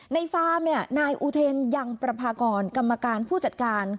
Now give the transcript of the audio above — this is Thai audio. ฟาร์มนายอุเทนยังประพากรกรรมการผู้จัดการ